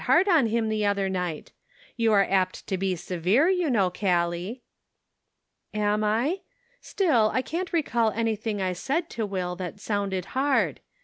hard on him the other night. You are apt to be severe, you know, Gallic." " Am I ? Still, I can't recall anything I said to Will that sounded hard.